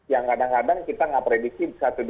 yang kadang kadang kita gak prediksi